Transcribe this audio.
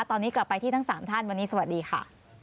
ตอนนี้กลับไปที่ทั้ง๓ท่านวันนี้สวัสดีค่ะ